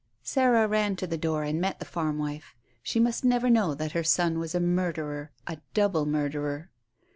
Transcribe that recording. Sarah ran to the door and met the farm wife. She must never know that her son was a murderer a double murderer.